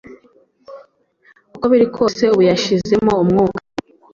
uko biri kose ubu yashizemo umwuka